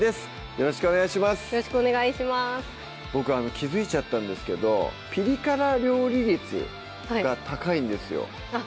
気付いちゃったんですけどピリ辛料理率が高いんですよあっ